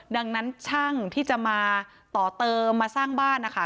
ดังนั้นช่างที่จะมาต่อเติมมาสร้างบ้านนะคะ